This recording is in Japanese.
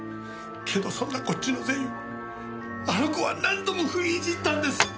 けどそんなこっちの善意をあの子は何度も踏みにじったんです！